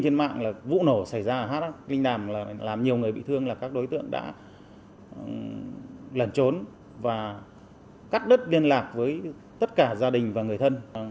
trên mạng là vụ nổ xảy ra ở hắc linh đàm là làm nhiều người bị thương là các đối tượng đã lẩn trốn và cắt đứt liên lạc với tất cả gia đình và người thân